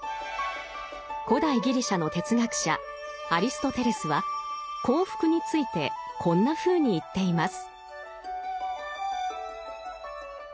古代ギリシャの哲学者アリストテレスは幸福についてこんなふうに言っています。